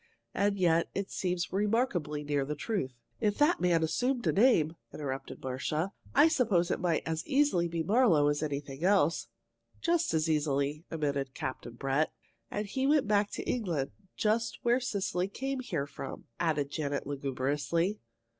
And yet it seems remarkably near the truth." "If that man assumed a name," interrupted Marcia, "I suppose it might as easily be Marlowe as anything else." "Just as easily," admitted Captain Brett. "And he went back to England just where Cecily came here from," added Janet, lugubriously.